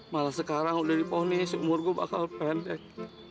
malah sekarang udah diponis umur gue bakal pendek